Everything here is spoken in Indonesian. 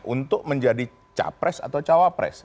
untuk menjadi capres atau cawapres